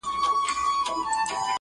زما اشنا خبري پټي ساتي.